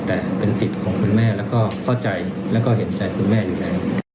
แต่เป็นสิทธิ์ของคุณแม่แล้วก็เข้าใจแล้วก็เห็นใจคุณแม่อยู่แล้ว